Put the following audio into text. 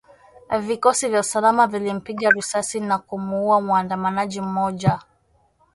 Vikosi vya usalama vilimpiga risasi na kumuuwa muandamanaji mmoja